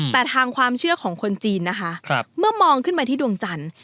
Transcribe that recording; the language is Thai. แต่ทางความเชื่อของคนจีนนะคะเมื่อมองขึ้นไปที่ดวงจันทร์